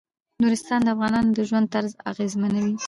نورستان د افغانانو د ژوند طرز اغېزمنوي.